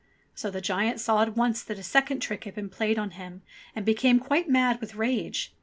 So the giant saw at once that a second trick had been played on him and became quite mad with rage.